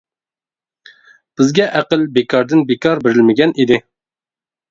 بىزگە ئەقىل بىكاردىن بىكار بېرىلمىگەن ئىدى.